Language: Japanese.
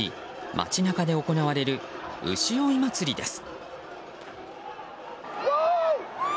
街中で行われる牛追い祭りです。